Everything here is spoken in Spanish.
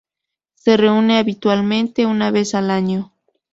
Se reúne habitualmente una vez al año.